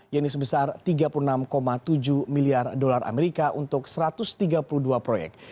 yang ini sebesar tiga puluh enam tujuh miliar dolar amerika untuk satu ratus tiga puluh dua proyek